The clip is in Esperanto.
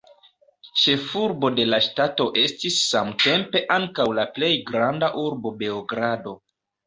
Ĉefurbo de la ŝtato estis samtempe ankaŭ la plej granda urbo Beogrado.